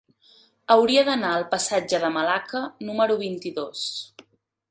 Hauria d'anar al passatge de Malacca número vint-i-dos.